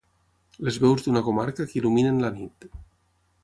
Les veus d’una comarca que il·luminen la nit.